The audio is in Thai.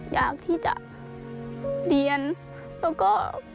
อยากที่จะเรียนแล้วก็